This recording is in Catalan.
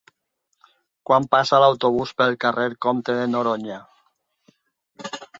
Quan passa l'autobús pel carrer Comte de Noroña?